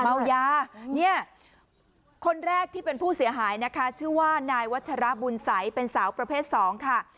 เมายาเนี่ยคนแรกที่เป็นผู้เสียหายนะคะชื่อว่านายวัชระบุญสัยเป็นสาวประเภทสองค่ะ